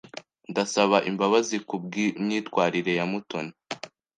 Ndasaba imbabazi kubwimyitwarire ya Mutoni.